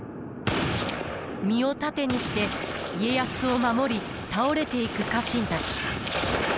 身を盾にして家康を守り倒れていく家臣たち。